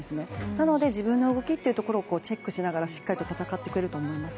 なので自分の動きというところをチェックしながらしっかりと戦ってくれると思います。